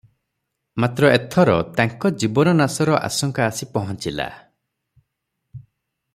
ମାତ୍ର ଏଥର ତାଙ୍କର ଜୀବନ ନାଶର ଆଶଙ୍କା ଆସି ପହଞ୍ଚିଲା ।